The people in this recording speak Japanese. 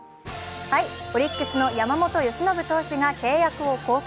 オリックスの山本由伸投手が契約を更改。